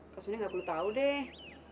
kak soni gak perlu tau deh